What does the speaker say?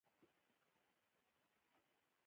اوږده غرونه د افغانستان د موسم د بدلون سبب کېږي.